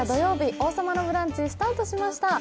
「王様のブランチ」スタートしました。